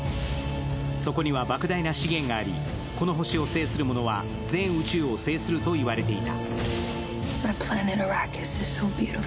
そこには莫大な資源があり、この星を制する者は全宇宙を制すると言われていた。